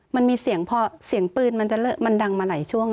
มันมีเสียงพอเสียงปืนมันดังมาหลายช่วง